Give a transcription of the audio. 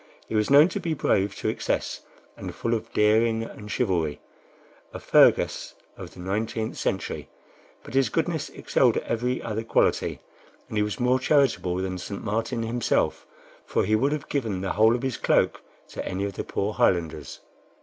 He was known to be brave to excess, and full of daring and chivalry a Fer gus of the nineteenth century; but his goodness excelled every other quality, and he was more charitable than St. Martin himself, for he would have given the whole of his cloak to any of the poor Highlanders.